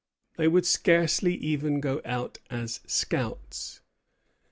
They would scarcely even go out as scouts.